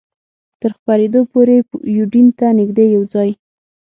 تر خپرېدو پورې یوډین ته نږدې یو ځای.